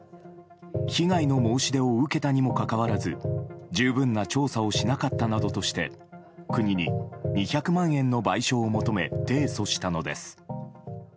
被害の申し出を受けたにもかかわらず十分な調査をしなかったなどとして国に２００万円の賠償を求め提訴したのです。